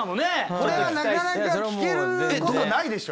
これはなかなか聞けることないでしょ。